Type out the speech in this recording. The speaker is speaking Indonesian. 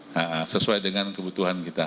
nah sesuai dengan kebutuhan kita